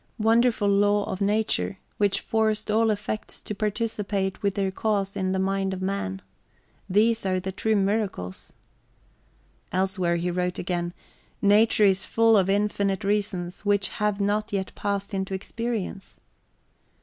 "Wonderful law of nature, which forced all effects to participate with their cause in the mind of man. These are the true miracles!" Elsewhere he wrote again: "Nature is full of infinite reasons which have not yet passed into experience."